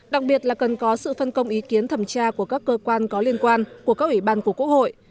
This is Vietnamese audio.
đặc biệt là cần có sự phân công ý kiến thẩm tra của các cơ quan có liên quan của các ủy ban của quốc hội